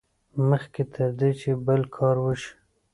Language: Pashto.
مخکې تر دې چې بل کار وشي.